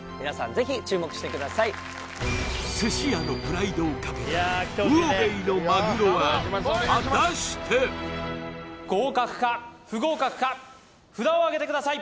ぜひ注目してください寿司屋のプライドをかけた魚べいのまぐろは果たして合格か不合格か札をあげてください